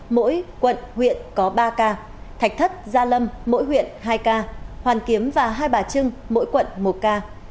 mỗi quận huyện có ba ca thạch thất gia lâm mỗi huyện hai ca hoàn kiếm và hai bà trưng mỗi quận một ca